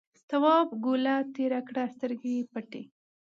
تواب گوله تېره کړه سترګې یې پټې.